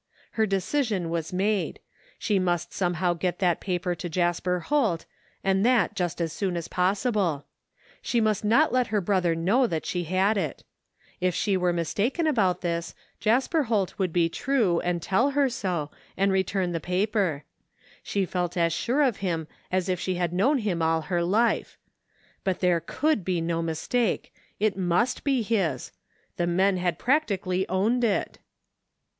Her decision was made. She must some how get that paper to Jasper Holt, and that just as soon as ix)ssible. She must not let her brother know 119 THE FINDING OF JASPER HOLT that she had it If she were mistaken about this, Jasper Holt would be true and tell her so and return the paper. She felt as sure of him as if she had known him all her life. But there could be no mistake. It must be his. The men had practically owned it